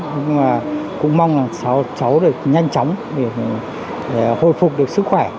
nhưng mà cũng mong là sáu cháu được nhanh chóng để hồi phục được sức khỏe